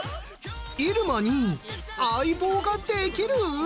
入間に相棒ができる？